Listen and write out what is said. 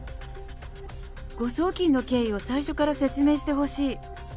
誤送金の経緯を最初から説明してほしい。